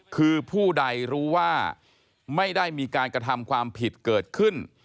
คือผู้ใดรู้ว่าไม่ได้มีการกระทำความผิดเกิดขึ้น